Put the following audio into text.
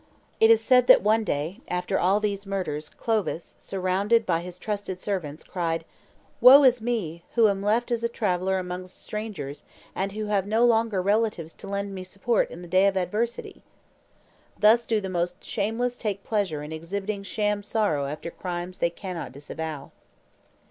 It is said that one day, after all these murders, Clovis, surrounded by his trusted servants, cried, "Woe is me! who am left as a traveller amongst strangers, and who have no longer relatives to lend me support in the day of adversity!" Thus do the most shameless take pleasure in exhibiting sham sorrow after crimes they cannot disavow.